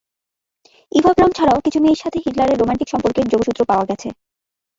Eva Braun ছাড়াও কিছু মেয়ের সাথে হিটলারের রোমান্টিক সম্পর্কের যোগসূত্র পাওয়া গেছে।